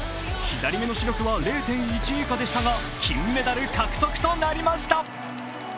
左目の視力は０．１以下でしたが、金メダル獲得となりました。